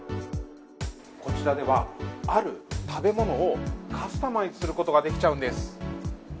こちらでは、ある食べ物をカスタマイズすることができちゃうんです。